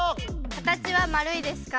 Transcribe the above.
形は丸いですか？